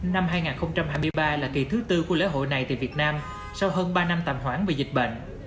năm hai nghìn hai mươi ba là kỳ thứ tư của lễ hội này tại việt nam sau hơn ba năm tạm hoãn vì dịch bệnh